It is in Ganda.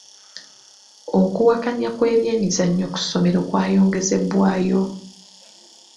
Okuwakanya kw'ebyemizannyo ku ssomero kwayongezebwayo.